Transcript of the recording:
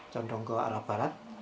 condong ke arah barat